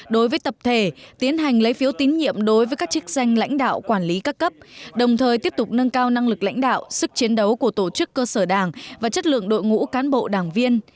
đối với tập thể tiến hành lấy phiếu tín nhiệm đối với các chức danh lãnh đạo quản lý các cấp đồng thời tiếp tục nâng cao năng lực lãnh đạo sức chiến đấu của tổ chức cơ sở đảng và chất lượng đội ngũ cán bộ đảng viên